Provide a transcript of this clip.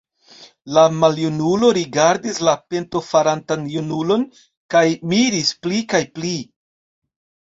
La maljunulo rigardis la pentofarantan junulon kaj miris pli kaj pli.